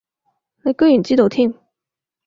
你居然知道添